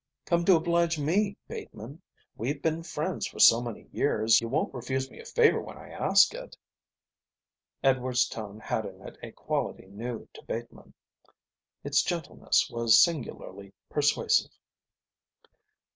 "Come to oblige me, Bateman. We've been friends for so many years, you won't refuse me a favour when I ask it." Edward's tone had in it a quality new to Bateman. Its gentleness was singularly persuasive.